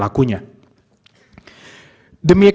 dan juga untuk kepentingan siapa yang diperoleh